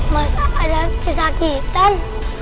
masa ada kesakitan